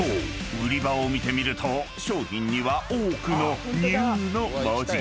売り場を見てみると商品には多くの「ＮＥＷ」の文字が］